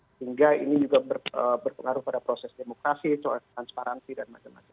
sehingga ini juga berpengaruh pada proses demokrasi transparansi dan macam macam